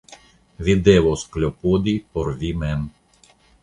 Vi devos klopodi por vi mem.